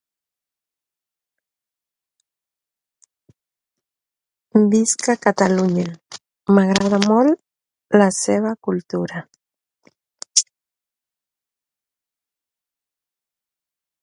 Qui van ser els fundadors?